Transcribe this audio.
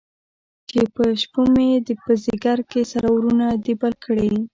چې په شپومې، په ځیګر کې سره اورونه دي بل کړی